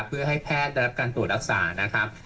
เพื่อให้แพทย์ได้รับการตรวจรักษานะครับ